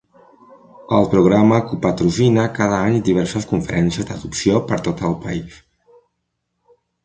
El programa copatrocina cada any diverses conferències d'adopció per tot el país.